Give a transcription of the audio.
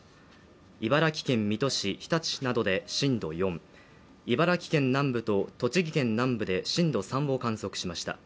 茨城県水戸市、日立などで震度４茨城県南部と、栃木県南部で震度３を観測しました。